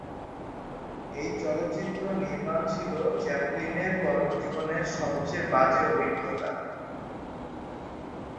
এই চলচ্চিত্র নির্মাণ ছিল চ্যাপলিনের কর্মজীবনের সবচেয়ে বাজে অভিজ্ঞতা।